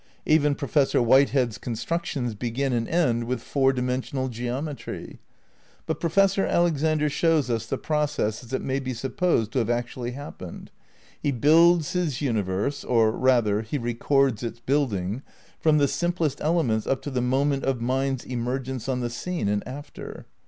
Even Professor Whitehead's constructions begin and end with four dimensional geometry. But Professor Alexander shows us the process as it may be supposed to have actually hap pened. He builds his universe, or rather, he records its building, from the simplest elements up to the moment of mind's emergence on the scene and after.